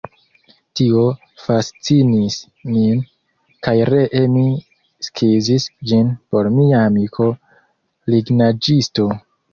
Tio fascinis min kaj ree mi skizis ĝin por mia amiko lignaĵisto.